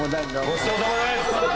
ごちそうさまでした。